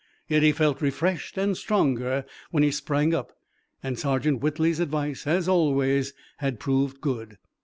Yet he felt refreshed and stronger when he sprang up, and Sergeant Whitley's advice, as always, had proved good.